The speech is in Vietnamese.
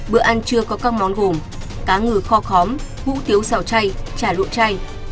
bữa ăn trưa có các món gồm cá ngừ kho khóm hủ tiếu xào chay chả lụa chay